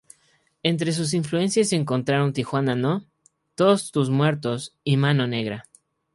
Entre sus influencias se encontraron Tijuana No!, Todos tus muertos y Mano negra.